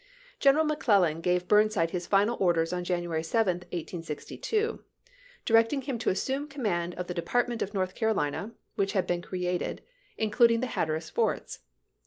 Gen eral McClellan gave Burnside his final orders on January 7, 1862, directing him to assume command of the Department of North Carolina, which had been created, including the Hatteras forts.